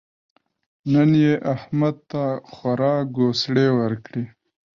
نن يې احمد ته خورا ګوسړې ورکړې.